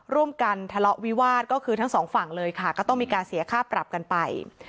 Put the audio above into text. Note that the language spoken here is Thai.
ร่วมกันทะเลาะวิวาสก็คือทั้งสองฝั่งเลยค่ะก็ต้องมีการเสียค่าปรับกันไป